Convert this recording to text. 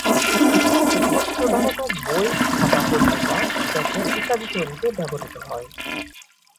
কাগজ প্রধানত বই–খাতা, পত্রিকা, প্যাকেট ইত্যাদি তৈরিতে ব্যবহৃত হয়।